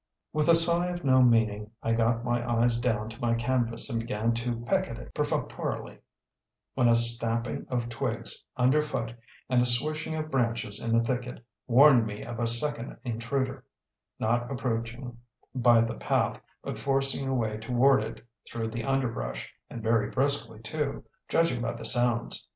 With a sigh of no meaning, I got my eyes down to my canvas and began to peck at it perfunctorily, when a snapping of twigs underfoot and a swishing of branches in the thicket warned me of a second intruder, not approaching by the path, but forcing a way toward it through the underbrush, and very briskly too, judging by the sounds.